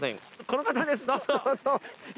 この方ですどうぞ。